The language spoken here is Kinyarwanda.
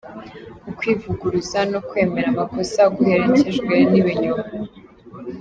Ukwivuguruza no kwemera amakosa guherekejwe n’ibinyoma.